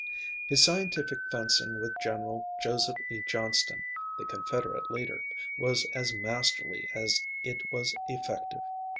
His scientific fencing with General Joseph E. Johnston, the Confederate leader, was as masterly as it was effective.